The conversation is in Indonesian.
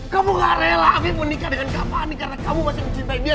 kamu gak rela amin menikah dengan kamu karena kamu masih mencintai dia